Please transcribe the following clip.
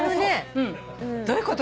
どういうこと？